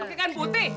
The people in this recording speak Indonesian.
pake kaen putih